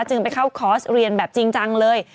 จึงไปเข้าคอร์สเรียนแบบจริงจังเลย